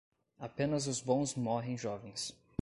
Apenas os bons morrem jovens.